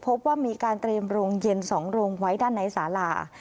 พบว่ามีการเตรียมโรงเย็น๒โรงไว้ด้านในสาลา